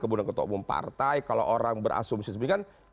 kebunan ketua umum partai kalau orang berasumsi seperti itu